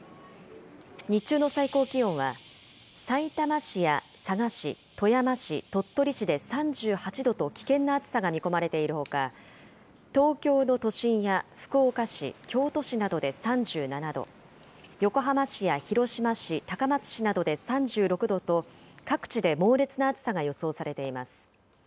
日中の最高気温は、さいたま市や佐賀市、富山市、鳥取市で３８度と危険な暑さが見込まれているほか、東京の都心や福岡市、京都市などで３７度、横浜市や広島市、高松市などで３６度と、各地で猛烈な暑さが予想されています。